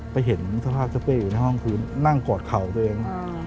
ไปเห็นสภาพเจ้าเป้อยู่ในห้องคือนั่งกอดเข่าตัวเอง